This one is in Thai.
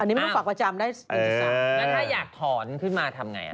อันนี้ไม่ต้องฝากประจำได้๑๓แล้วถ้าอยากถอนขึ้นมาทำไง